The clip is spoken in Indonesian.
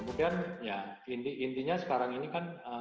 kemudian ya intinya sekarang ini kan